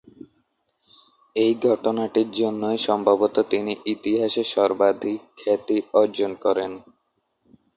এই ঘটনাটির জন্যই সম্ভবত তিনি ইতিহাসে সর্বাধিক খ্যাতি অর্জন করেন।